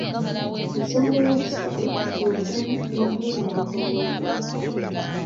Ensoga eyokusatu, bwe butemu n'okubuzaawo kw'abantu baffe.